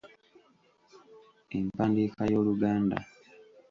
Empandiika y’Oluganda.